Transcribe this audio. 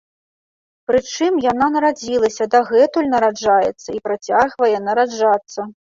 Прычым, яна нарадзілася, дагэтуль нараджаецца і працягвае нараджацца!